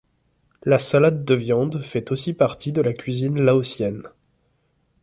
La salade de viande fait aussi partie de la cuisine laotienne.